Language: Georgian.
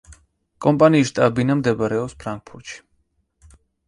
კომპანიის შტაბ-ბინა მდებარეობს ფრანკფურტში.